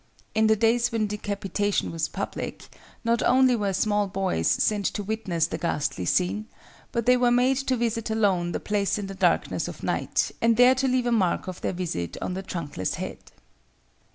In the days when decapitation was public, not only were small boys sent to witness the ghastly scene, but they were made to visit alone the place in the darkness of night and there to leave a mark of their visit on the trunkless head.